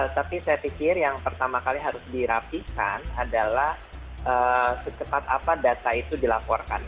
tapi saya pikir yang pertama kali harus dirapikan adalah secepat apa data itu dilaporkan